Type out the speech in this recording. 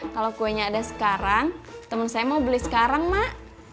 kalau kuenya ada sekarang temen saya mau beli sekarang mak